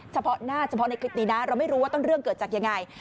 เฉพาะหน้าเฉพาะในคลิปนี้นะเราไม่รู้ว่าต้นเรื่องเกิดจากยังไง